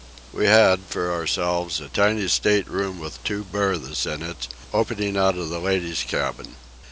We had, for ourselves, a tiny state room with two berths in it, opening out of the ladies' cabin.